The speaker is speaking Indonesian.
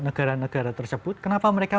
negara negara tersebut kenapa mereka